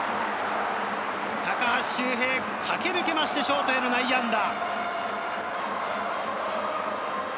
高橋周平、駆け抜けまして、ショートへの内野安打。